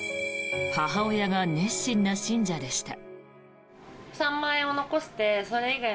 母親が熱心な信者でした。